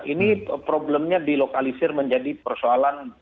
ini problemnya dilokalisir menjadi persoalan